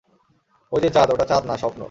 ঐ যে চাঁদ, ওটা চাঁদ না, স্বপ্ন।